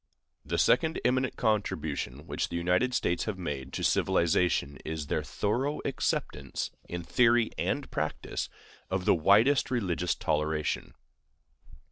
The second eminent contribution which the United States have made to civilization is their thorough acceptance, in theory and practice, of the widest religious toleration.